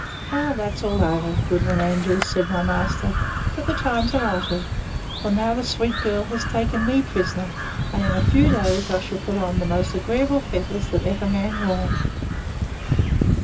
—Well, that's all over now, Goodman Andrews, said my master: but the times are altered; for now the sweet girl has taken me prisoner; and in a few days I shall put on the most agreeable fetters that ever man wore.